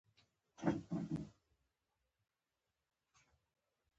چاى به کومه بله ورځ درسره وڅکم.